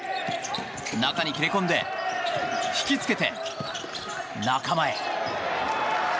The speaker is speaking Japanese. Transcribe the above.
中に切り込んで引き付けて、仲間へ。